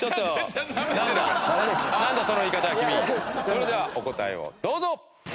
それではお答えをどうぞ。